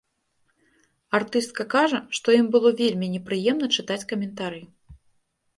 Артыстка кажа, што ім было вельмі непрыемна чытаць каментары.